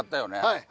はい。